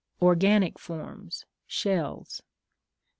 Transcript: (Organic forms.) Shells.